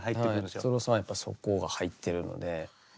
達郎さんはやっぱそこが入ってるので。